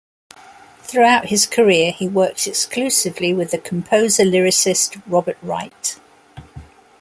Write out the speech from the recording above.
Throughout his career he worked exclusively with the composer-lyricist Robert Wright.